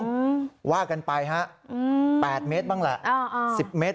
อืมว่ากันไปฮะอืมแปดเมตรบ้างแหละอ่าอ่าสิบเมตร